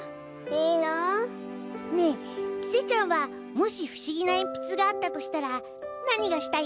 いいな。ねえちせちゃんはもしふしぎなえんぴつがあったとしたら何がしたい？